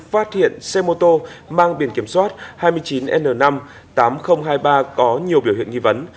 phát hiện xe mô tô mang biển kiểm soát hai mươi chín n năm tám nghìn hai mươi ba có nhiều biểu hiện nghi vấn